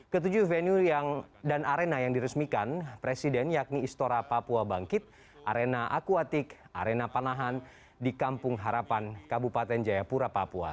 ketujuh venue dan arena yang diresmikan presiden yakni istora papua bangkit arena akuatik arena panahan di kampung harapan kabupaten jayapura papua